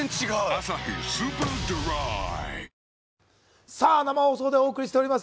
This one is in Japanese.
「アサヒスーパードライ」生放送でお送りしております